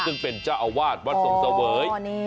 ซึ่งเป็นเจ้าอาวาสวัดทรงเสวย